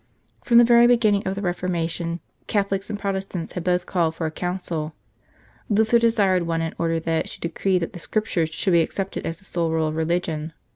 From the very beginning of the Reformation, Catholics and Protestants had both called for a Council. Luther desired one in order that it should decree that the Scriptures should be accepted as the sole rule of religion.